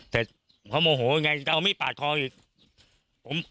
เสร็จเขาโมโหยังไงเดี๋ยวเอามี่ปาดคออีก